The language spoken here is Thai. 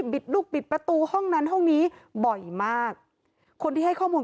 ลูกบิดประตูห้องนั้นห้องนี้บ่อยมากคนที่ให้ข้อมูล